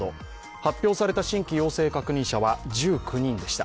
発表された新規陽性確認者は１９人でした。